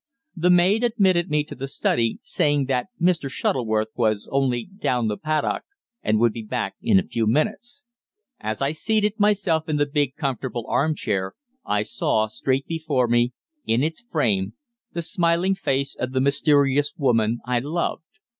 The maid admitted me to the study, saying that Mr. Shuttleworth was only "down the paddock," and would be back in a few minutes. And as I seated myself in the big, comfortable arm chair, I saw, straight before me, in its frame the smiling face of the mysterious woman I loved.